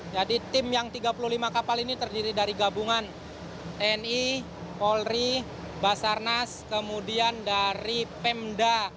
jadi tim yang tiga puluh lima kapal ini terdiri dari gabungan tni polri basarnas kemudian dari pemda